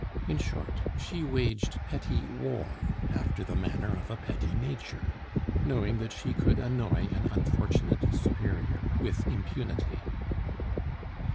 In short, she waged petty war after the manner of a petty nature, knowing that she could annoy an unfortunate superior with impunity.